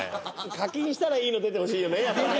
課金したらいいの出てほしいよねやっぱね。